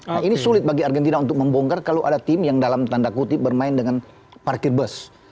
nah ini sulit bagi argentina untuk membongkar kalau ada tim yang dalam tanda kutip bermain dengan parkir bus